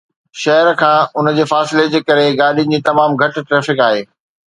شهر کان ان جي فاصلي جي ڪري، گاڏين جي تمام گهٽ ٽرئفڪ آهي